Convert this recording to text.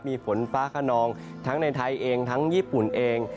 มีฝนฟ้าขนองทั้งในไทยเองทั้งญี่ปุ่นเอง